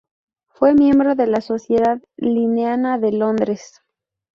Fue miembro de la Sociedad linneana de Londres